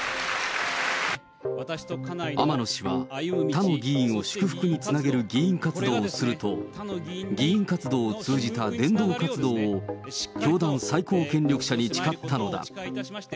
天野氏は、他の議員を祝福につなげる議員活動をすると、議員活動を通じた伝道活動を、教団最高権力者に誓ったのだ。